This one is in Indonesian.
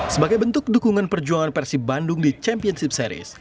sebagai bentuk dukungan perjuangan persib bandung di championship series